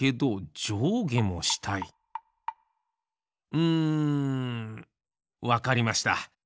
うんわかりました。